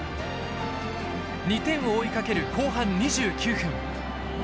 ２点を追いかける後半２９分。